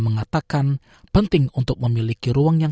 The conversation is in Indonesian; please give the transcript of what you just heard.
terutama di kota kota di australia